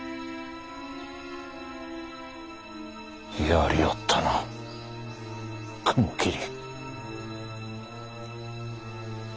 やりおったな雲霧！